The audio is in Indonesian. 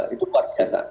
itu luar biasa